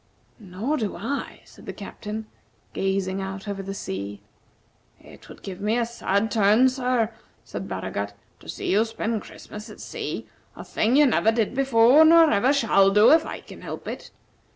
"Nor do I," said the Captain, gazing out over the sea. "It would give me a sad turn, sir," said Baragat, "to see you spend Christmas at sea; a thing you never did before, nor ever shall do, if I can help it.